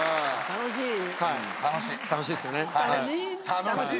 楽しい？